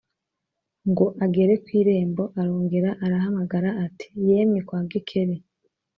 Ngo agere ku irembo arongera arahamagara ati » yemwe kwa Gikeli ?»